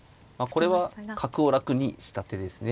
これは角を楽にした手ですね。